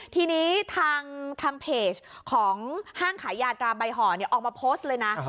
ทีนี้ทางเพจของห้างขายยาตราใบห่อออกมาโพสต์เลยนะ